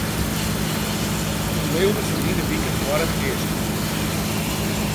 Hy mailde ferline wike foar it earst.